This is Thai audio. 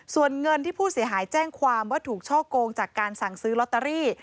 ส่วนเงินที่ผู้เสียหายแจ้งความว่าถูกช่อกงจากการสั่งซื้อลอตเตอรี่